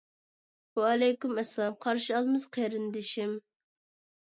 ۋەئەلەيكۇم ئەسسالام قارشى ئالىمىز قېرىندىشىم.